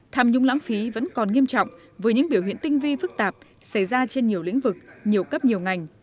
tham nhũng lãng phí vẫn còn nghiêm trọng với những biểu hiện tinh vi phức tạp xảy ra trên nhiều lĩnh vực nhiều cấp nhiều ngành